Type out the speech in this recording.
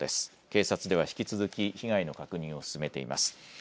警察では引き続き被害の確認を進めています。